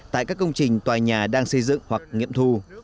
tại các công trình tòa nhà đang xây dựng hoặc nghiệm thu